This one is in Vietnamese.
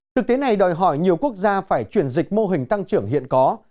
thực tế này đòi hỏi nhiều quốc gia phải chuyển dịch mô hình tăng trưởng hiện có